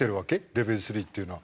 レベル３っていうのは。